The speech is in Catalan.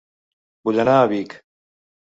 Vull anar a Vic